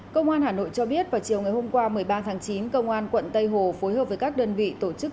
công an hà nội cho biết vào chiều ngày hôm qua một mươi ba tháng chín công an quận tây hồ phối hợp với các đơn vị tổ chức